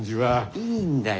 いいんだよ